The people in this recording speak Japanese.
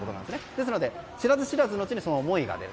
ですので、知らず知らずのうちにその思いが出る。